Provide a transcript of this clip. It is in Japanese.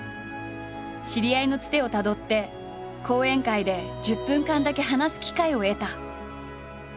知り合いのつてをたどって講演会で１０分間だけ話す機会を得た。